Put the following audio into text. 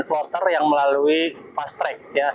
delapan kloter yang melalui fast track